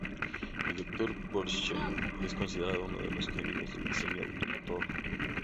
El Dr. Porsche es considerado uno de los genios del diseño automotor.